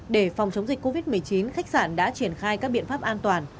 để phòng chống dịch covid một mươi chín khách sạn đã triển khai các biện pháp an toàn